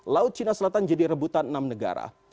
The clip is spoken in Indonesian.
laut cina selatan jadi rebutan enam negara